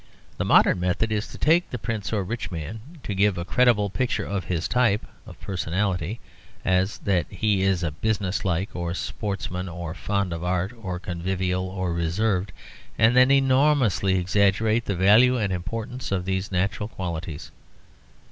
The modern method is to take the prince or rich man, to give a credible picture of his type of personality, as that he is business like, or a sportsman, or fond of art, or convivial, or reserved; and then enormously exaggerate the value and importance of these natural qualities.